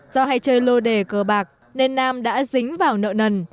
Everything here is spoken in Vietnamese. do hay chơi lô đề cờ bạc nên nam đã dính vào nợ nần